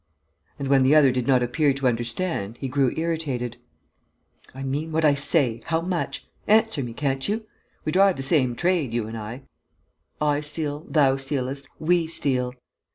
And, when the other did not appear to understand, he grew irritated: "I mean what I say. How much? Answer me, can't you? We drive the same trade, you and I. I steal, thou stealest, we steal.